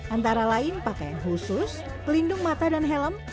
antara lain pakaian khusus pelindung mata dan helm